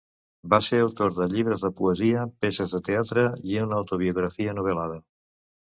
Va ser autor de llibres de poesia, peces de teatre i una autobiografia novel·lada.